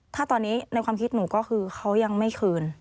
ถ้าตอนนี้ในความคิดหนูก็คือเขายังไม่คืน